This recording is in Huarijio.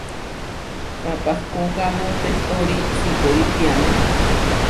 Papahkókamu pehtóri sikóri tiamé.